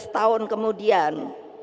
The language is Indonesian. tiga belas tahun kemudian